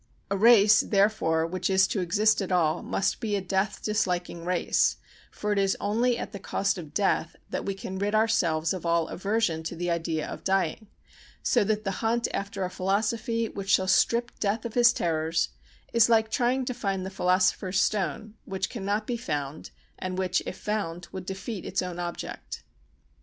A race, therefore, which is to exist at all must be a death disliking race, for it is only at the cost of death that we can rid ourselves of all aversion to the idea of dying, so that the hunt after a philosophy which shall strip death of his terrors is like trying to find the philosopher's stone which cannot be found and which, if found, would defeat its own object.